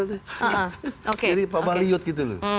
ini pak baliut gitu loh